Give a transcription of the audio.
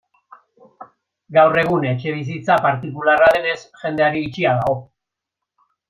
Gaur egun etxebizitza partikularra denez, jendeari itxia dago.